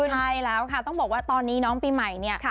ใช่แล้วค่ะต้องบอกว่าตอนนี้น้องปีใหม่เนี่ย